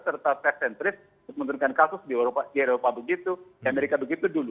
serta tes sentris untuk menurunkan kasus di eropa begitu di amerika begitu dulu